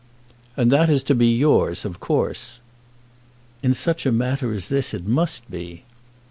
"And that is to be yours, of course." "In such a matter as this it must be."